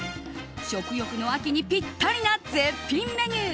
食欲の秋にぴったりな絶品メニュー